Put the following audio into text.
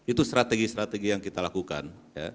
itu strategi strategi yang kita lakukan